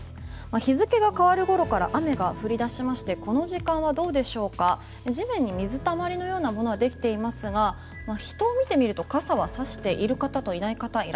日付が変わるころから雨が降り出しましてこの時間地面に水たまりのようなものはできていますが人を見てみると傘はさしている方とちょっと人、増えたね。